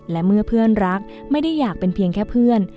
และเมื่อเพื่อนรักไม่ได้อยากเป็นเพียงแค่เพื่อน